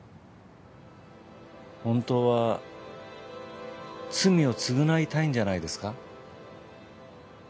本当は罪を償いたいんじゃないですか？